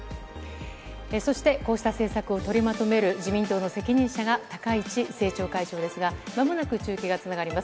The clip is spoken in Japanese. そして、こうした政策を取りまとめる自民党の責任者が、高市政調会長ですが、まもなく中継がつながります。